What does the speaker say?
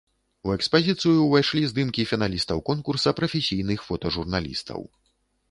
У экспазіцыю ўвайшлі здымкі фіналістаў конкурса прафесійных фотажурналістаў.